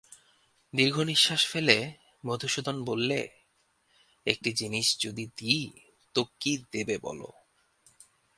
দীর্ঘনিশ্বাস ফেলে মধুসূদন বললে, একটি জিনিস যদি দিই তো কী দেবে বলো।